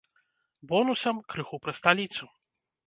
Бонусам крыху пра сталіцу.